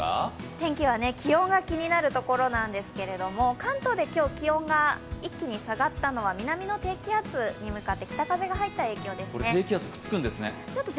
天気は気温が気になるところなんですけど関東で今日、気温が一気に下がったのは南の低気圧に向かって北風が入った影響ですね